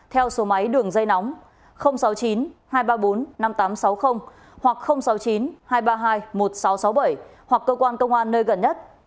theo số máy đường dây nóng sáu mươi chín hai trăm ba mươi bốn năm nghìn tám trăm sáu mươi hoặc sáu mươi chín hai trăm ba mươi hai một nghìn sáu trăm sáu mươi bảy hoặc cơ quan công an nơi gần nhất